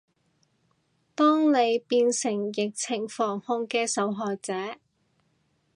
當你變成疫情防控嘅受害者